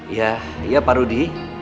iya pak rudi